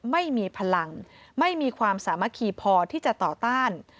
ไม่มีพลังไม่มีความสามัคคีพอที่จะต่อต้าน